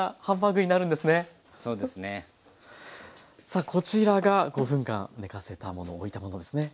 さあこちらが５分間寝かせたものおいたものですね。